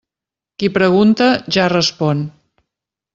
Qui pregunta, ja respon.